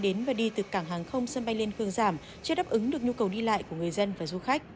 đến và đi từ cảng hàng không sân bay liên khương giảm chưa đáp ứng được nhu cầu đi lại của người dân và du khách